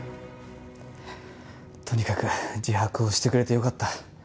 とにかく自白をしてくれてよかった。